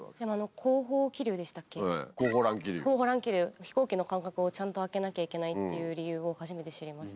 後方乱気流飛行機の間隔をちゃんと空けなきゃいけないっていう理由を初めて知りました。